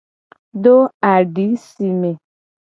Do adi si me.